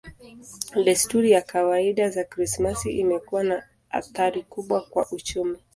Desturi ya zawadi za Krismasi imekuwa na athari kubwa kwa uchumi.